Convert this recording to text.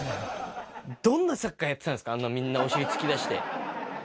どんなサッカーやってたんですか、あんな、みんなお尻突き出して。